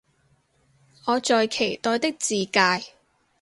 我在期待的自介